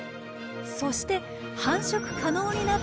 そして繁殖可能になったころ